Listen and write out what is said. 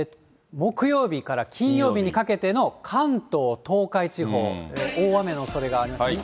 木曜日から金曜日にかけての、関東、東海地方、大雨のおそれがあります。